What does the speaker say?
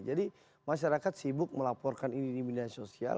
jadi masyarakat sibuk melaporkan ini di media sosial